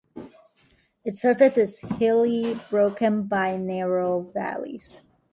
Its surface is hilly, broken by narrow valleys.